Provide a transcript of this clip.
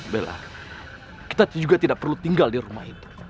bella kita juga tidak perlu tinggal di rumah itu